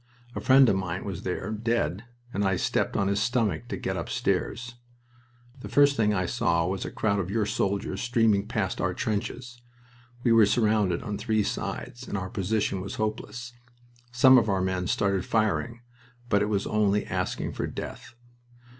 A friend of mine was there, dead, and I stepped on his stomach to get upstairs. The first thing I saw was a crowd of your soldiers streaming past our trenches. We were surrounded on three sides, and our position was hopeless. Some of our men started firing, but it was only asking for death.